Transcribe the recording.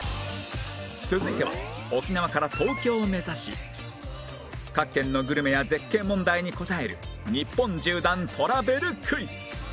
続いては沖縄から東京を目指し各県のグルメや絶景問題に答える日本縦断トラベルクイズ